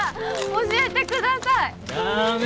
教えてください。だめ。